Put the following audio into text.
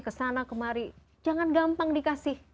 kesana kemari jangan gampang dikasih